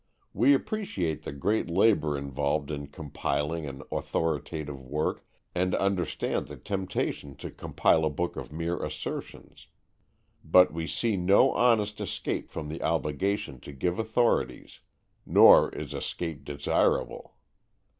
We appreciate the great labor involved in compiling an authoritative work and understand the temptation to compile a book of mere assertions. But we see no honest escape from the obligation to give authorities, nor is escape desirable.